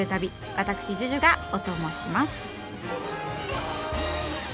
私ＪＵＪＵがオトモします。